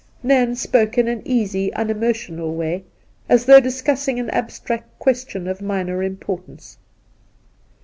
Nairn spoke in an easy, unemotional way, as though discussing an abstract question of minor importance.